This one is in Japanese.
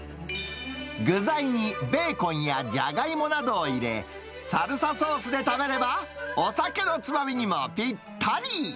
具材にベーコンやジャガイモなどを入れ、サルサソースで食べればお酒のつまみにもぴったり。